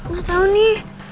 gak tau nih